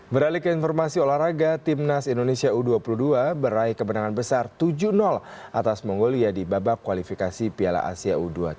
beralih ke informasi olahraga timnas indonesia u dua puluh dua berai kemenangan besar tujuh atas mongolia di babak kualifikasi piala asia u dua puluh tiga